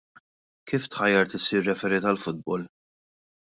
Kif tħajjart issir referee tal-futbol?